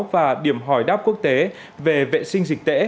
và điểm hỏi đáp quốc tế về vệ sinh dịch tễ